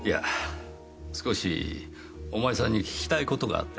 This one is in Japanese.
少しお前さんに聞きたい事があってな。